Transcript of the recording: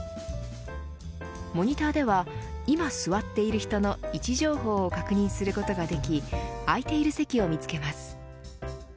モニターでは今座っている人の位置情報を確認することができ空いている席を見つけます。